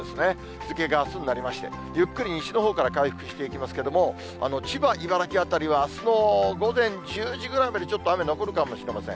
日付があすになりまして、ゆっくり西のほうから回復していきますけれども、千葉、茨城辺りは、あすの午前１０時ぐらいまでちょっと雨残るかもしれません。